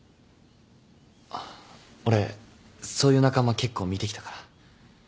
ああ俺そういう仲間結構見てきたから。